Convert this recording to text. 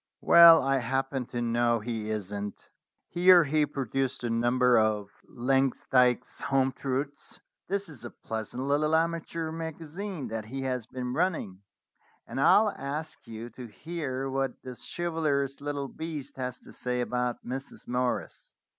"Well, I happen to know he isn't." Here he pro duced the number of "Langsdyke's Home Truths." "This is a pleasant little amateur magazine that he has been running, and I'll ask you to hear what this chivalrous little beast has to say about Mrs. Morris."